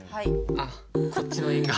あっこっちの「円」が。